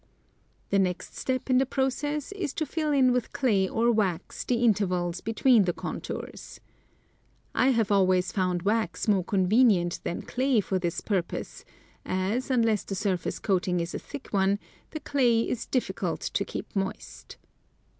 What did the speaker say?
The next step in the process is to fill in with clay or wax the intervals between the contours. I have always found wax more convenient than clay for this purpose as, unless the surface coat ing is a thick one, the clay is diflicult to keep moist.